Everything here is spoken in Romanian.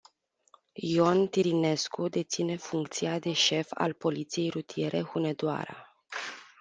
Ion Tirinescu deține funcția de șef al poliției rutiere Hunedoara.